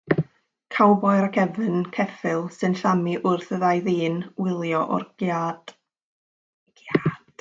Cowboi ar gefn ceffyl sy'n llamu wrth i ddau ddyn wylio o'r giât.